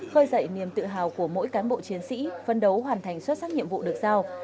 khơi dậy niềm tự hào của mỗi cán bộ chiến sĩ phân đấu hoàn thành xuất sắc nhiệm vụ được giao